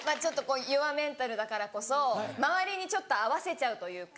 弱メンタルだからこそ周りにちょっと合わせちゃうというか